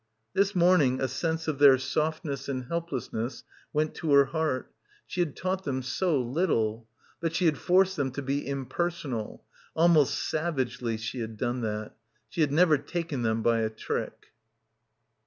This morning a sense of their softness and helplessness went to her heart. She had taught — 272 — BACKWATER them so little. But she had forced them to be impersonal. Almost savagely she had done that. She had never taken them by a trick.